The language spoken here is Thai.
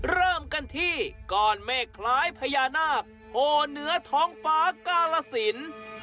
เริ่มกันที่ก้อนเมฆคล้ายพญานาคโผล่เหนือท้องฟ้ากาลสิน